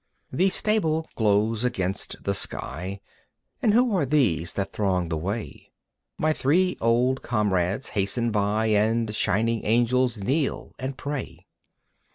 V The stable glows against the sky, And who are these that throng the way? My three old comrades hasten by And shining angels kneel and pray.